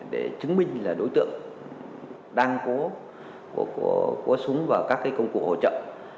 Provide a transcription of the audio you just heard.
để chứng minh là đối tượng đang có súng và các công cụ hỗ trợ